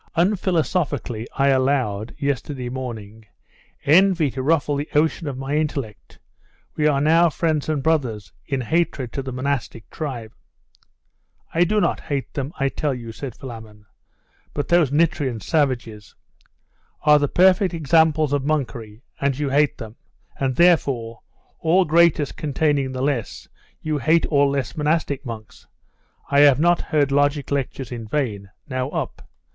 Unphilosophically I allowed, yesterday morning, envy to ruffle the ocean of my intellect. We are now friends and brothers, in hatred to the monastic tribe.' 'I do not hate them, I tell you,' said Philammon. 'But these Nitrian savages ' 'Are the perfect examples of monkery, and you hate them; and therefore, all greaters containing the less, you hate all less monastic monks I have not heard logic lectures in vain. Now, up!